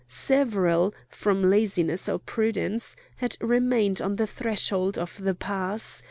Several, from laziness or prudence, had remained on the threshold of the pass.